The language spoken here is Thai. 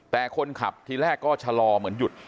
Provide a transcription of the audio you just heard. แต่คนขับทีแรกก็ชะลอเหมือนหยุด